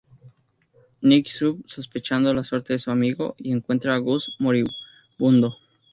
Nick sube sospechando la suerte de su amigo y encuentra a Gus moribundo.